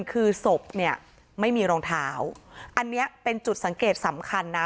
คือศพเนี่ยไม่มีรองเท้าอันนี้เป็นจุดสังเกตสำคัญนะ